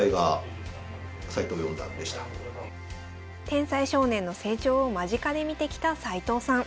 天才少年の成長を間近で見てきた齊藤さん。